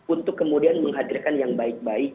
untuk kemudian menghadirkan yang baik baik